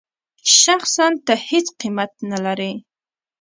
شخصاً ته هېڅ قېمت نه لرې.